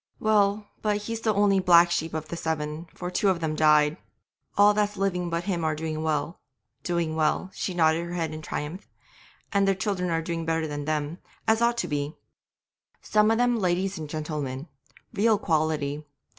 Well, but he's the only black sheep of the seven, for two of them died. All that's living but him are doing well, doing well' (she nodded her head in triumph), 'and their children doing better than them, as ought to be. Some of them ladies and gentlemen, real quality.